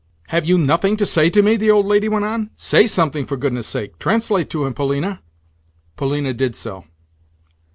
"Have you nothing to say to me?" the old lady went on. "Say something, for goodness' sake! Translate to him, Polina." Polina did so.